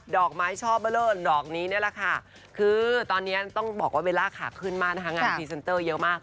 อกไม้ช่อเบอร์เลอร์ดอกนี้นี่แหละค่ะคือตอนนี้ต้องบอกว่าเบลล่าขาขึ้นมากนะคะงานพรีเซนเตอร์เยอะมาก